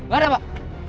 gak ada pak